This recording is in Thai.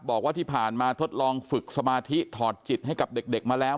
บอกว่าที่ผ่านมาทดลองฝึกสมาธิถอดจิตให้กับเด็กมาแล้ว